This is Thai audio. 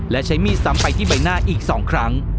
และใช้มีดซ้ำไปที่ใบหน้าอีก๒ครั้ง